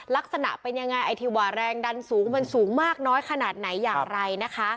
ลักษณะเป็นยังไงไอ้ที่ว่าแรงดันสูงมันสูงมากน้อยขนาดไหนอย่างไรนะคะ